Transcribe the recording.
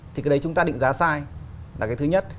thì cái đấy chúng ta định giá sai là cái thứ nhất